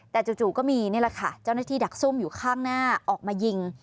แต่จู่ก็มีนี่แหละค่ะเจ้าหน้าที่ดักซุ่มอยู่ข้างหน้าออกมายิง